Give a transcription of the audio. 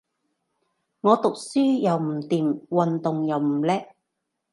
我讀書又唔掂，運動又唔叻